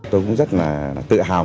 tôi cũng rất là tự hào